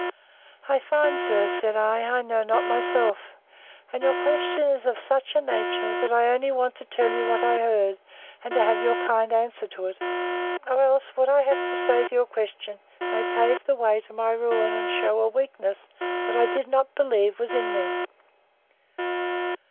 I find, sir, said I, I know not myself; and your question is of such a nature, that I only want to tell you what I heard, and to have your kind answer to it; or else, what I have to say to your question, may pave the way to my ruin, and shew a weakness that I did not believe was in me.